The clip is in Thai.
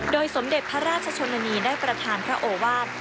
สมเด็จพระราชนีได้ประธานพระโอวาส